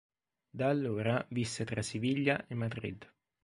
Da allora visse tra Siviglia e Madrid.